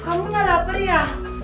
kamu gak lapar ya